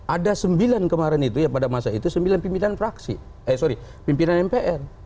ada sembilan kemarin itu ya pada masa itu sembilan pimpinan fraksi eh sorry pimpinan mpr